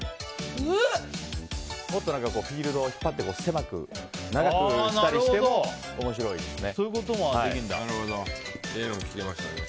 もっとフィールドを引っ張って狭く長くしたりしても面白いですね。